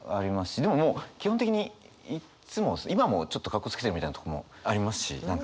でももう基本的にいっつも今もちょっとカッコつけてるみたいなとこもありますし。